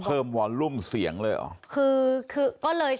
เพิ่มวอลูมเสียงเลยเหรอ